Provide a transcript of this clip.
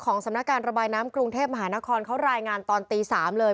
สำนักการระบายน้ำกรุงเทพมหานครเขารายงานตอนตี๓เลย